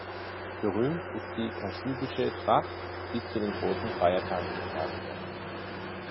Berühmt ist die kaschubische Tracht, die zu den großen Feiertagen getragen wird.